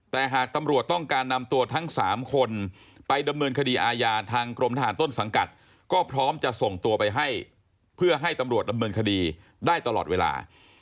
แต่หากตำรวจต้องการนำตัวทั้ง๓คนไปดำเนินคดีอาญาทางกรมทหารต้นสังกัดก็พร้อมจะส่งตัวไปให้เพื่อให้ตำรวจดำเนินคดีได้ตลอดเวลา